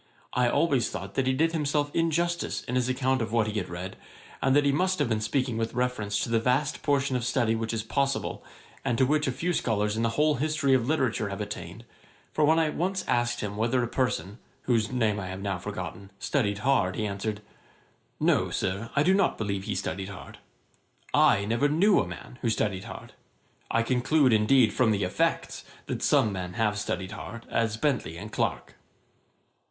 I always thought that he did himself injustice in his account of what he had read, and that he must have been speaking with reference to the vast portion of study which is possible, and to which a few scholars in the whole history of literature have attained; for when I once asked him whether a person, whose name I have now forgotten, studied hard, he answered 'No, Sir; I do not believe he studied hard. I never knew a man who studied hard. I conclude, indeed, from the effects, that some men have studied hard, as Bentley and Clarke.'